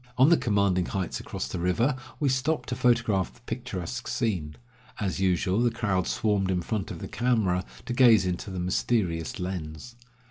On the commanding heights across the river, we stopped to photograph the picturesque scene. As usual, the crowd swarmed in front of the camera to gaze into the mysterious lens.